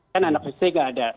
kan anak sd tidak ada